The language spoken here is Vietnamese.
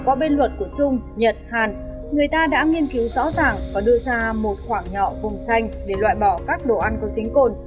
qua bên luật của trung nhật hàn người ta đã nghiên cứu rõ ràng và đưa ra một khoảng nhỏ vùng xanh để loại bỏ các đồ ăn có xính cồn